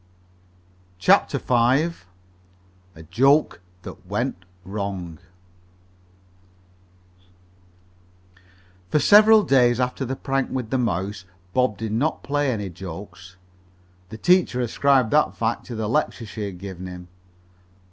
CHAPTER V A JOKE THAT WENT WRONG For several days after the prank with the mouse Bob did not play any jokes. The teacher ascribed that fact to the lecture she had given him.